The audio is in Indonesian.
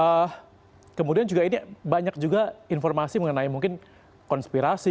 nah kemudian juga ini banyak juga informasi mengenai mungkin konspirasi